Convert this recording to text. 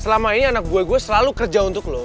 selama ini anak buah gue selalu kerja untuk lo